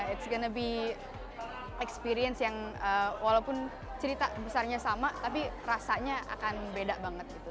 it's gonna be experience yang walaupun cerita besarnya sama tapi rasanya akan beda banget gitu